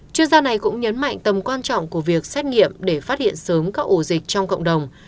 chuyên gia này cũng nhấn mạnh tầm quan trọng của việc xét nghiệm để phát hiện sớm các ổ dịch trong cộng đồng